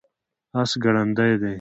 اس ګړندی دی